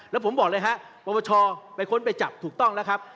แล้วผมบอกเลยครับประมาทชเป็นคนไปจับถูกต้องแล้วครับ